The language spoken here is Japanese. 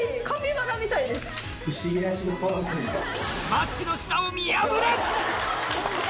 マスクの下を見破れ！